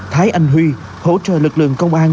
thái anh huy hỗ trợ lực lượng công an